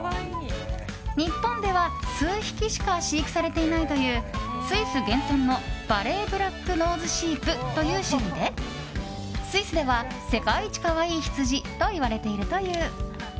日本では数匹しか飼育されていないというスイス原産のヴァレーブラックノーズシープという種類でスイスでは世界一可愛いヒツジといわれているという。